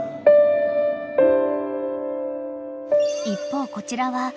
［一方こちらは］